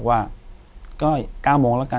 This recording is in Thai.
อยู่ที่แม่ศรีวิรัยิลครับ